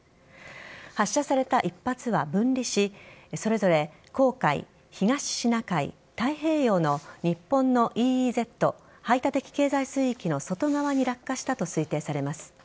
発射された１発は分離しそれぞれ黄海、東シナ海、太平洋の日本のＥＥＺ＝排他的経済水域の外側に落下したと推定されます。